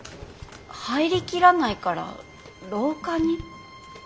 入りきらないから廊下に？